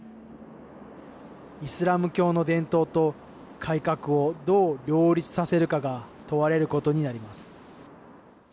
イスラム教の伝統と改革をどう両立させるかが問われることになります。